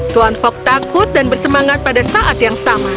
tuan fok takut dan bersemangat pada saat yang sama